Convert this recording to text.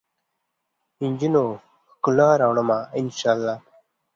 نجونو ؛ ښکلا راوړمه ، ان شا اللهدا